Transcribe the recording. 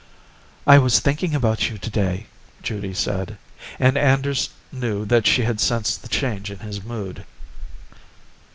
"I was thinking about you today," Judy said, and Anders knew that she had sensed the change in his mood.